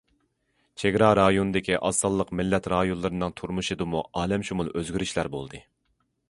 چېگرا رايوندىكى ئاز سانلىق مىللەت رايونلىرىنىڭ تۇرمۇشىدىمۇ ئالەمشۇمۇل ئۆزگىرىشلەر بولدى.